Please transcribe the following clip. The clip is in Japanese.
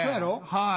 はい。